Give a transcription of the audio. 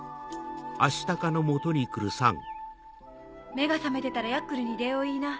目が覚めてたらヤックルに礼を言いな。